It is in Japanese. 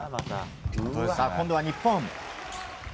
今度は日本。